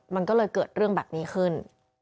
มันก็เลยเกิดเรื่องแบบนี้ขึ้น